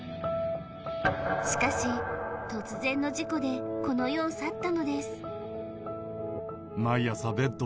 しかし突然の事故でこの世を去ったのです